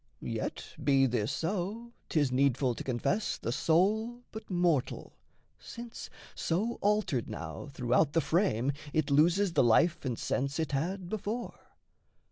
Yet be this so, 'tis needful to confess The soul but mortal, since, so altered now Throughout the frame, it loses the life and sense It had before.